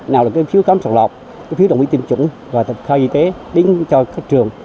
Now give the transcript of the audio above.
nào là phiếu khám sàng lọc phiếu đồng ý tiêm chủng và khai y tế đến cho các trường